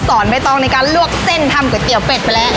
ใบตองในการลวกเส้นทำก๋วยเตี๋ยเป็ดไปแล้ว